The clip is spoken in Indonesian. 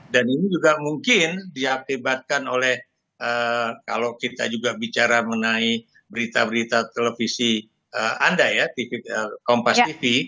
dan ini juga mungkin diakibatkan oleh kalau kita juga bicara mengenai berita berita televisi anda ya kompas tv